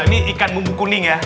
ini ikan bumbu kuning ya